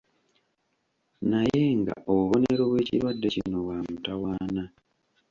Naye nga obubonero bw’ekirwadde kino bwa mutawaana.